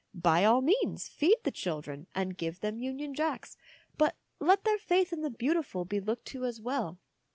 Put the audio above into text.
By all means feed the children and give them Union Jacks, but let their faith in the beautiful be looked to as well.